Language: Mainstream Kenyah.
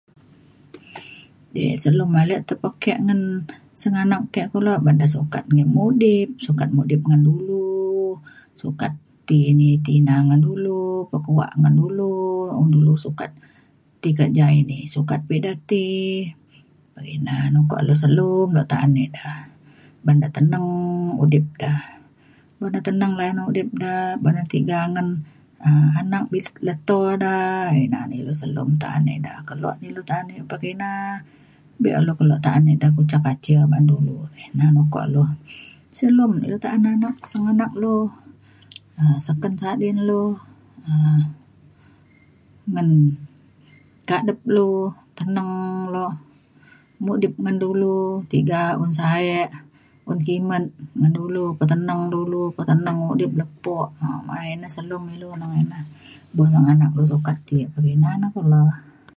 di selum ale te ake ngan sengganak ke kulo ban da sukat nggin mudip sukat mudip ngan dulu sukat ti ini ti ina ngan dulu pekuak ngan dulu. un dulu sukat ti kerja ini sukat pa ida ti pa ina na le selum le ta’an ida ban da teneng udip da. buk na teneng layan udip da ban da tiga ngan um anak leto da ina na ilu selum ta’an ida kelo na ilu ta’an yak pekina. be’un ilu kelo ta’an dulu kucar kacir ban dulu ina na ukok lu selum ilu ta’an anak sengganak lu um seken sadin lu um ngan kadep lu teneng lok mudip ngan dulu tiga un sa’e un kimet ngan dulu peteneng dulu peteneng udip lepo main na selum na buk sengganak lu sukat ti yak pekina na kulo.